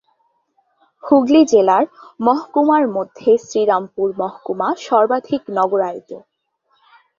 হুগলি জেলার মহকুমার মধ্যে শ্রীরামপুর মহকুমা সর্বাধিক নগরায়িত।